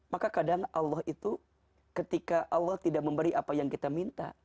maka kadang allah itu ketika allah tidak memberi apa yang kita minta